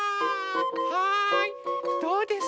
はいどうですか？